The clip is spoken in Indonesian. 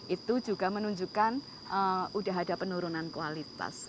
itu juga menunjukkan sudah ada penurunan kualitas